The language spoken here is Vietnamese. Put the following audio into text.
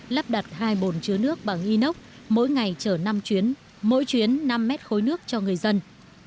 lắp đặt hai bồn chứa nước bằng inox mỗi ngày chở năm chuyến mỗi chuyến năm mét khối nước cho người dân